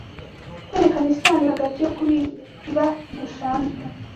kwerekana isano iri hagati yo kubiba gusanzwe